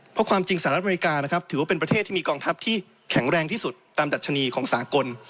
เพราะความจริงสหรัฐอเมริกานะครับถือว่าเป็นประเทศที่มีกองทัพที่แข็งแรงที่สุดตามดัชนีของสากล